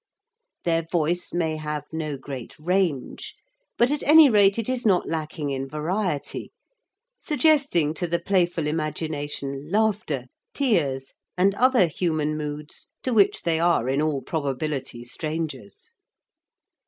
Their voice may have no great range, but at any rate it is not lacking in variety, suggesting to the playful imagination laughter, tears, and other human moods to which they are in all probability strangers.